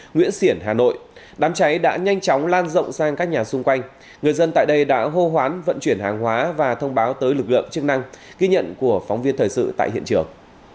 nguyễn xiển hà nội đám cháy đã nhanh chóng lan rộng sang các nhà xung quanh người dân tại đây đã hô hoán vận chuyển hàng hóa và thông báo tới lực lượng chức năng ghi nhận của phóng viên thời sự tại hiện trường